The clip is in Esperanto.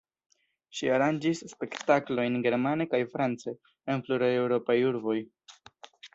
Ŝi aranĝis spektaklojn germane kaj france en pluraj eŭropaj urboj.